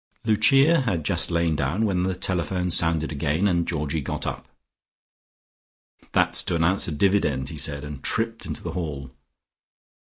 Lucia had just lain down, when the telephone sounded again and Georgie got up. "That's to announce a dividend," he said, and tripped into the hall.